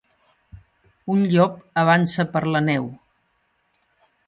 Un llop avança per la neu.